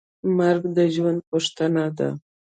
مرګ د ژوند پوښتنه ده.